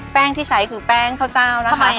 ที่ใช้คือแป้งข้าวเจ้านะคะ